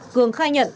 cường khai nhận